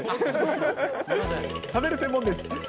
食べる専門です。